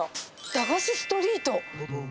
駄菓子ストリート。